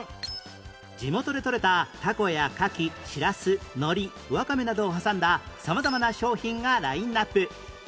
地元でとれたたこやかきしらす海苔わかめなどを挟んだ様々な商品がラインアップ